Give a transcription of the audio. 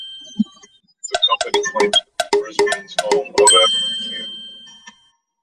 The company claims to be Brisbane's home of Avenue Q.